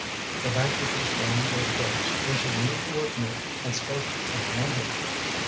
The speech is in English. The banquet was drawing to a close when she leaned toward me and spoke in an undertone.